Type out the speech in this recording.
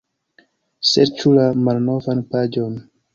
Serĉu la malnovan paĝon.